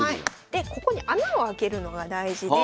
でここに穴を開けるのが大事で。